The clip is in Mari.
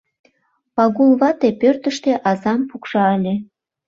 Пагул вате пӧртыштӧ азам пукша ыле.